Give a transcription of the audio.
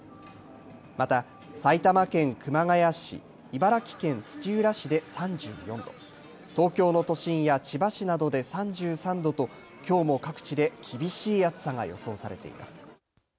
また埼玉県熊谷市、茨城県土浦市で３４度、東京の都心や千葉市などで３３度と、きょうも各地で厳しい暑さが予想されています。